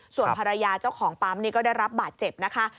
ส่วนภรรยาเจ้าของปั๊มนี่ก็ได้รับบาดเจ็บนะคะ